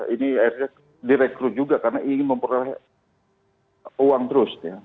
ini akhirnya direkrut juga karena ingin memperoleh uang terus ya